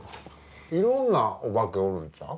いろんなオバケおるんちゃう？